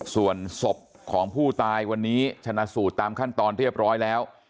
ส่วนศพของผู้ตายวันนี้ชนะสูตรตามขั้นตอนเรียบร้อยแล้ว